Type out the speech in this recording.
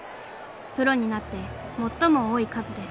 プロになって最も多い数です。